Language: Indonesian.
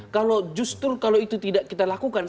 kalau justru kalau itu tidak kita lakukan